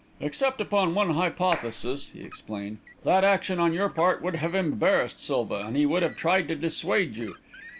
"Except upon one hypothesis," he explained, "that action on your part would have embarrassed Silva, and he would have tried to dissuade you.